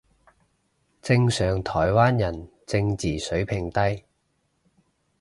正常台灣人正字水平低